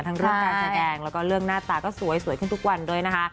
เรื่องการแสดงแล้วก็เรื่องหน้าตาก็สวยขึ้นทุกวันด้วยนะคะ